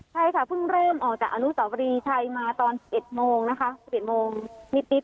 ใช่ค่ะเพิ่งเริ่มออกจากอาลุเสาร์บริชัยมาตอน๑๑โมงนิติฟิภิต